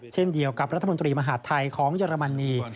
เช่นเดียวกับรัฐมนตรีมหาดไทยของเยอรมนี